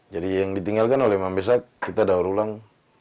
jadi yang ditinggalkan oleh membesak kita daur ulang